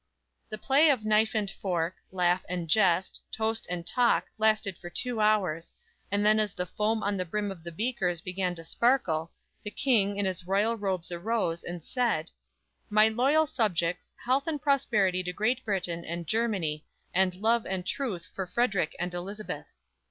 The play of knife and fork, laugh and jest, toast and talk lasted for two hours, and then as the foam on the brim of the beakers began to sparkle, the King, in his royal robes arose, and said: "My loyal subjects, health and prosperity to Great Britain and Germany, and love and truth for Frederick and Elizabeth."